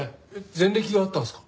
前歴があったんですか？